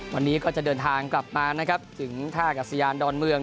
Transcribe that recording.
วันนี้ก็จะเดินทางกลับมานะครับถึงท่ากัศยานดอนเมือง